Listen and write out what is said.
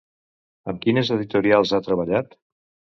Amb quines editorials ha treballat?